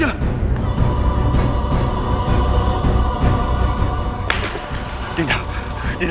aku akan menang